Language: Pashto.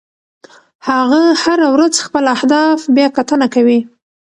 هغه هره ورځ خپل اهداف بیاکتنه کوي.